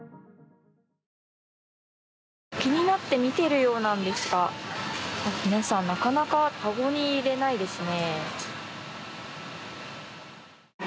気になって見ているようなんですが皆さん、なかなかかごに入れないですね。